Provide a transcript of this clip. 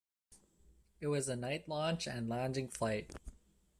It was a night launch and landing flight.